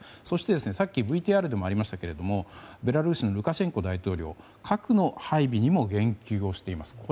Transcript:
そしてさっきＶＴＲでもありましたがベラルーシのルカシェンコ大統領核の配備にも言及をしています。